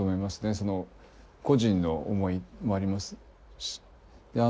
その個人の思いもありますし。